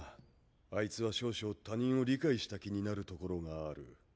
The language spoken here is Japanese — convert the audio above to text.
あいつは少々他人を理解した気になるところがある。